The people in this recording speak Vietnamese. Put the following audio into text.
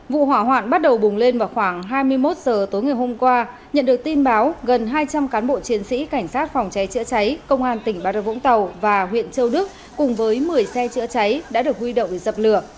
vụ hỏa hoạn bắt đầu bùng lên vào khoảng hai mươi một h tối ngày hôm qua nhận được tin báo gần hai trăm linh cán bộ chiến sĩ cảnh sát phòng cháy chữa cháy công an tỉnh bà rập vũng tàu và huyện châu đức cùng với một mươi xe chữa cháy đã được huy động dập lửa